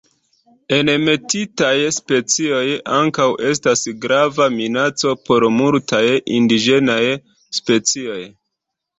Enmetitaj specioj ankaŭ estas grava minaco por multaj indiĝenaj specioj.